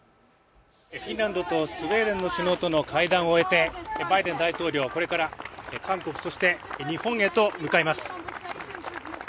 フィンランドとスウェーデンの首脳と会談を終えてバイデン大統領がこれから韓国、そして日本へと向かいます。